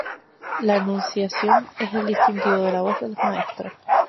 La enunciación es el distintivo de la voz de los maestros.